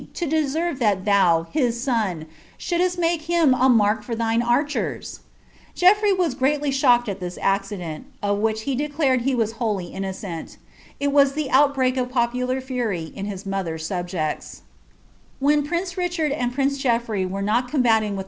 in drsmrc thai tliou, his son, shouldst make him a tuark for thins X' uras gr^tly shocked at thw accident, of which he declared lly innocent. It was the outbreak of popular fury in 's subjects. 1 prtnc« Richard and prince Geoffrey were not combating with